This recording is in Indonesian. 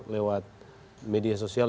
lewat media sosial